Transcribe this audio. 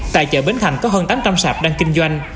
tại chợ bến thành có hơn tám trăm linh sạp đang kinh doanh